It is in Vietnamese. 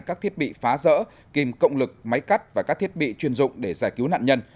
các thiết bị phá rỡ kim cộng lực máy cắt và các thiết bị chuyên dụng để giải cứu nạn nhân